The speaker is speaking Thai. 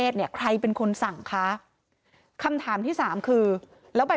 ด้านขวามี๕แนว